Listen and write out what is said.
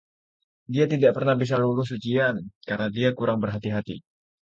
Dia tidak pernah bisa lulus ujian, karena dia kurang berhati-hati.